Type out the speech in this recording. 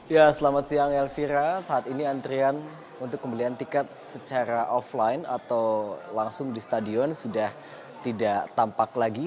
ya selamat siang elvira saat ini antrian untuk pembelian tiket secara offline atau langsung di stadion sudah tidak tampak lagi